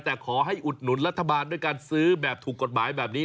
แต่ขอให้อุดหนุนรัฐบาลด้วยการซื้อแบบถูกกฎหมายแบบนี้